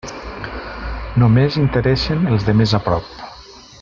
Només interessen els de més a prop.